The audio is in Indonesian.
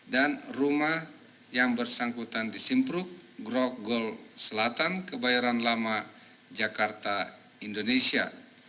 dan rumah yang bersangkutan di simpruk grok gol selatan kebayaran lama jakarta indonesia